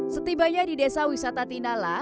setibanya di desa wisata tinala